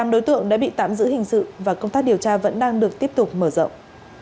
tám đối tượng đã bị tạm giữ hình sự và công tác điều tra vẫn đang được tiếp tục mở rộng